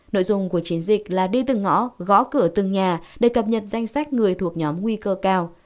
nội dung của chiến dịch là đi từng ngõ gõ cửa từng nhà để cập nhật danh sách người thuộc nhóm nguy cơ cao